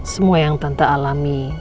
semua yang tante alami